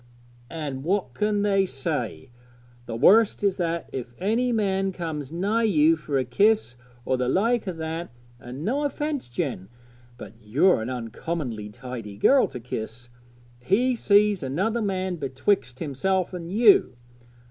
'An' what can they say? the worst is that if any man comes nigh you for a kiss or the like o' that and no offence, Jen, but you're an uncommon tidy girl to kiss he sees another man betwixt himself an' you.